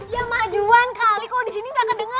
ya majuan kali kalau di sini nggak kedengeran